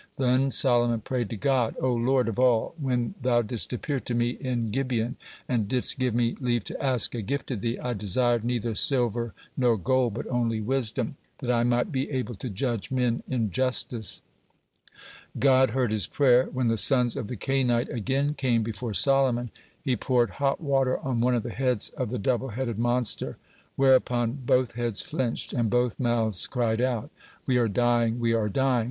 Then Solomon prayed to God: "O Lord of all, when Thou didst appear to me in Gibeon, and didst give me leave to ask a gift of Thee, I desired neither silver nor gold, but only wisdom, that I might be able to judge men in justice." God heard his prayer. When the sons of the Cainite again came before Solomon, he poured hot water on one of the heads of the double headed monster, whereupon both heads flinched, and both mouths cried out: "We are dying, we are dying!